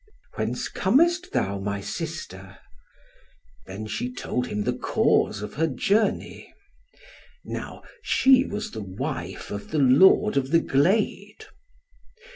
"Whence comest thou, my sister?" Then she told him the cause of her journey. Now she was the wife of the Lord of the Glade.